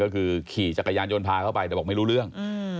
ก็คือขี่จักรยานยนต์พาเขาไปแต่บอกไม่รู้เรื่อง